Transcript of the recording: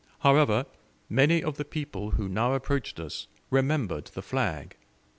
However, many of the people who now approached us, remembered the flag.